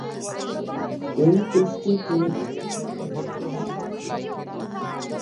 ঐ টেস্টে তিনি ম্যান অব দ্য ম্যাচের পুরস্কার পান।